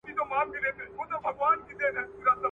هر فرد مسئولیت لري.